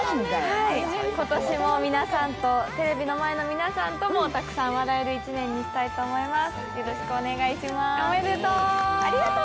今年も皆さんと、テレビの前の皆さんともたくさん笑える一年にしたいと思います。